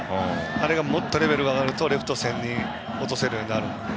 あれがもっとレベルが上がるとレフト線に落とせるようになるので。